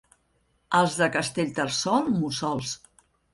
Els de Castellterçol, mussols.